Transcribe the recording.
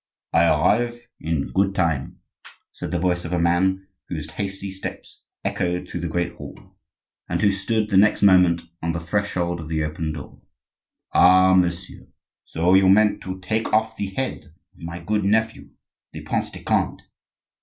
"I arrive in good time," said the voice of a man whose hasty steps echoed through the great hall, and who stood the next moment on the threshold of the open door. "Ah, messieurs, so you meant to take off the head of my good nephew, the Prince de Conde?